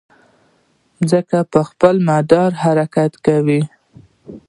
مځکه پر خپل مدار حرکت کوي.